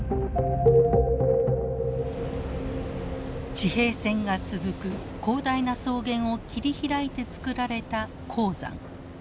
地平線が続く広大な草原を切り開いてつくられた鉱山。